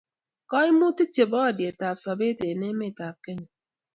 Koimutik chebo olyetab sobet eng emet ab Kenya